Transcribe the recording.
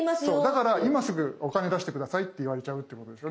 だから今すぐお金出して下さいって言われちゃうってことですよね。